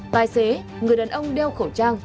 tài xế người đàn ông đeo khẩu trang